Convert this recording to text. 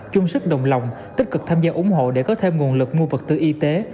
chung sức đồng lòng tích cực tham gia ủng hộ để có thêm nguồn lực mua vật tư y tế